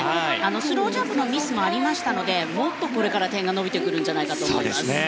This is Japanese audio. スロージャンプのミスもありましたのでもっとこれから点が伸びてくるんじゃないかと思います。